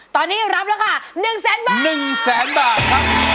ตอนนี้รับแล้วค่ะ๑๐๐๐๐๐บาท